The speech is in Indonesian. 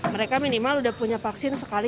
mereka minimal sudah punya vaksin sekali